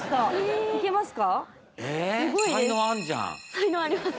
才能あります。